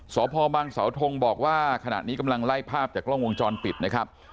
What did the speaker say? สพบังเสาทงบอกว่าขณะนี้กำลังไล่ภาพจากกล้องวงจรปิดนะครับ